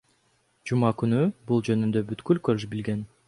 Жума күнү бул жөнүндө бүткүл коллеж билген.